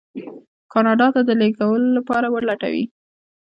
کاناډا ته د لېږلو لپاره ولټوي.